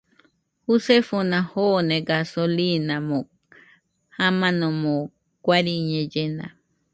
Jusefona joone gasolimo jamanomo guariñellena